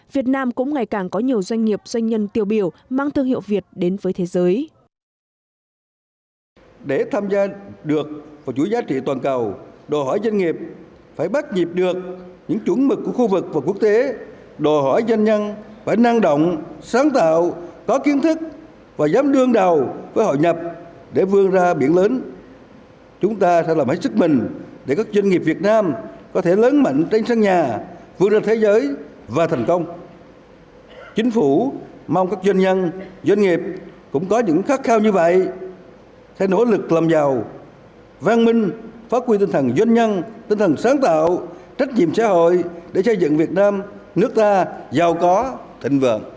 việt nam cũng ngày càng có nhiều doanh nghiệp doanh nhân tiêu biểu mang thương hiệu việt đến với thế giới